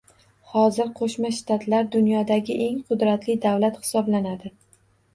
Hozir Qo‘shma Shtatlar dunyodagi eng qudratli davlat hisoblanadi